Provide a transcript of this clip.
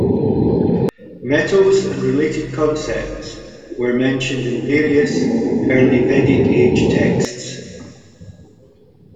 Metals and related concepts were mentioned in various early Vedic age texts.